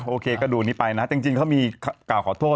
โอเคก็ดูอันนี้ไปนะจริงเขามีกล่าวขอโทษ